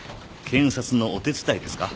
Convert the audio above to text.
検察のお手伝いですか？